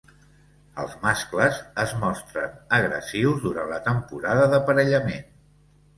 Els mascles es mostren agressius durant la temporada d'aparellament.